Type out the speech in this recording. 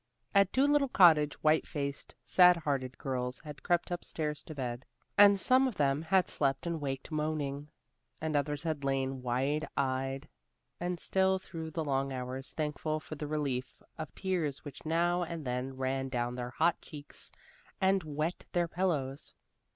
At Dolittle Cottage white faced, sad hearted girls had crept up stairs to bed, and some of them had slept and waked moaning, and others had lain wide eyed and still through the long hours, thankful for the relief of tears which now and then ran down their hot cheeks and wet their pillows.